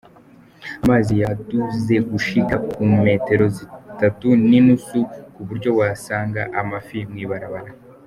Amazi yaduze gushika ku metero zitatu n'inusu, ku buryo wasanga amafi mw'ibarabara.